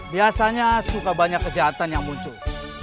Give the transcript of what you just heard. biasanya suka banyak kejahatan yang muncul